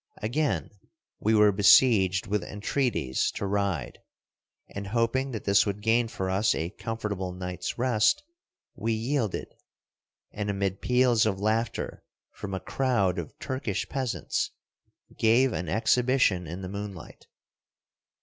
Again we were besieged with entreaties to ride, and, hoping that this would gain for us a comfortable night' s rest, we yielded, and, amid peals of laughter from a crowd of Turkish peasants, gave an exhibition in the moonlight.